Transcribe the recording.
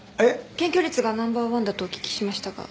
検挙率がナンバーワンだとお聞きしましたが。